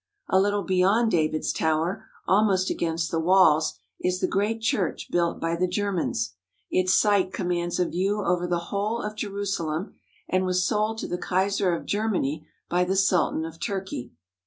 A little beyond David's Tower, almost against the 43 THE HOLY LAND AND SYRIA walls, is the great church built by the Germans. Its site commands a view over the whole of Jerusalem and was sold to the Kaiser of Germany by the Sultan of Turkey.